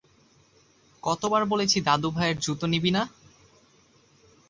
কতবার বলেছি দাদুভাইয়ের জুতো নিবি না?